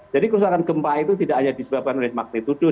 jadi kerusakan gempa itu tidak hanya disebabkan oleh maksimal tuduh